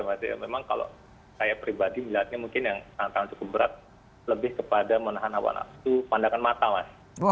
memang kalau saya pribadi melihatnya mungkin yang tantangan cukup berat lebih kepada menahan hawa nafsu pandangan mata mas